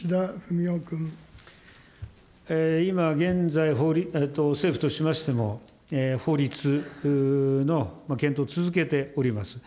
今、現在、せいふとしましても法律の検討を続けております。